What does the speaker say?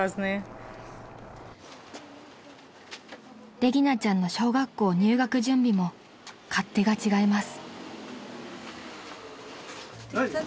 ［レギナちゃんの小学校入学準備も勝手が違います］